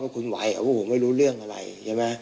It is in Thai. แล้วคุณไหวว่าผมไม่รู้เรื่องอะไรใช่ไหม